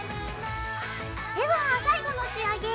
では最後の仕上げ。